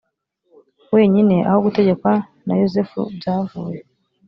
wenyine aho gutegekwa na yosefu byavuye